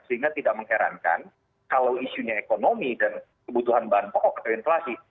sehingga tidak mengherankan kalau isunya ekonomi dan kebutuhan bahan pokok atau inflasi